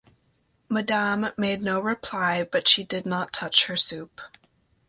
Madame made no reply, but she did not touch her soup.